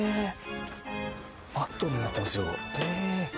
バットになってますよ。